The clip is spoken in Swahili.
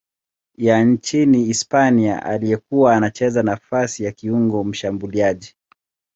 ya nchini Hispania aliyekuwa anacheza nafasi ya kiungo mshambuliaji.